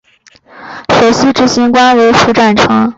首席执行官为符展成。